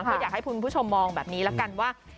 ก็อยากให้คุณผู้ชมมองแบบนี้ละกันว่า